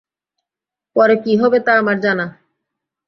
পরে কী হবে তা আমার জানা।